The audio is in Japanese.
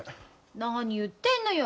何言ってんのよ。